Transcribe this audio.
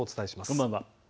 こんばんは。